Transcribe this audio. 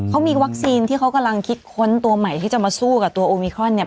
เขามีวัคซีนที่เขากำลังคิดค้นตัวใหม่ที่จะมาสู้กับตัวโอมิครอนเนี่ย